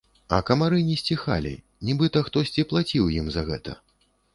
А камары не сціхалі, нібыта хтосьці плаціў ім за гэта.